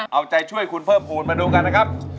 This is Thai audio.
เอาใจช่วยคุณเพิ่มภูมิมาดูกันนะครับ